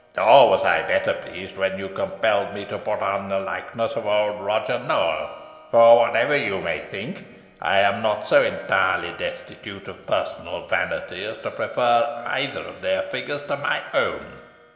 Nor was I better pleased when you compelled me to put on the likeness of old Roger Nowell; for, whatever you may think, I am not so entirely destitute of personal vanity as to prefer either of their figures to my own.